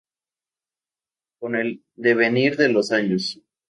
Con el devenir de los años.